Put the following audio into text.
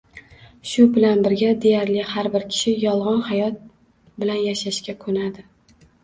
shu bilan birga, deyarli har bir kishi “yolg‘on hayot” bilan yashashga ko‘nadi